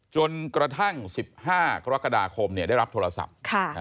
จนกระทั่ง๑๕กรกฎาคมได้รับโทรศัพท์